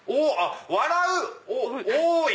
笑う多い！